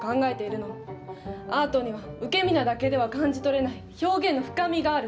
アートには受け身なだけでは感じ取れない表現の深みがある。